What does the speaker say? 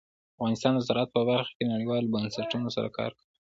افغانستان د زراعت په برخه کې نړیوالو بنسټونو سره کار کوي.